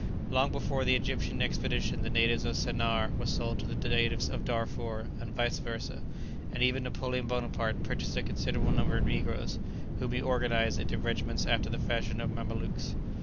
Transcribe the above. Long before the Egyptian expedition the natives of Sennaar were sold to the natives of Darfur and vice versa; and even Napoleon Buonaparte purchased a considerable number of negroes, whom he organized into regiments after the fashion of the mamelukes.